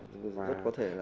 rất có thể là